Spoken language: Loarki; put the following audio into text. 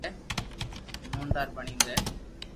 ايموندار بڻين رھي